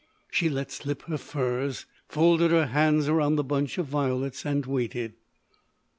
She let slip her furs, folded her hands around the bunch of violets and waited.